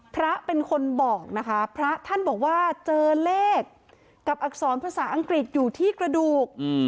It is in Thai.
พระเป็นคนบอกนะคะพระท่านบอกว่าเจอเลขกับอักษรภาษาอังกฤษอยู่ที่กระดูก